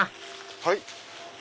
はい？